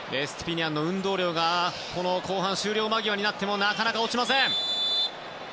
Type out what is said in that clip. エストゥピニャンの運動量が後半終了間際でもなかなか落ちません。